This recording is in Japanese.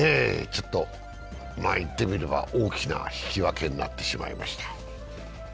いってみれば大きな引き分けになってしまいました。